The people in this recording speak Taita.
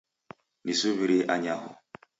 Nisuw'irie anyaho